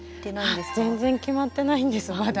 全然決まってないんですまだ。